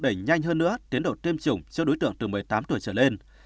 đẩy nhanh hơn nữa tiến độ tiêm chủng cho đối tượng từ một mươi tám tuổi trở lên